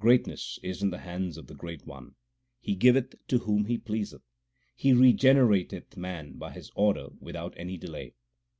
Greatness is in the hands of the Great One ; He giveth to whom He pleaseth. He regenerateth man by His order without any delay.